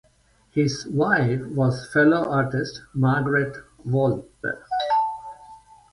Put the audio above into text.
His wife was fellow artist Margaret Wolpe.